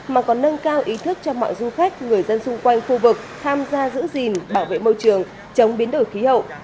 mà còn nâng cao ý thức cho mọi du khách người dân xung quanh khu vực tham gia giữ gìn bảo vệ môi trường chống biến đổi khí hậu